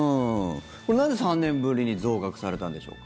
なんで３年ぶりに増額されたんでしょうか？